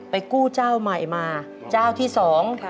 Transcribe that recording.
กู้เจ้าใหม่มาเจ้าที่สอง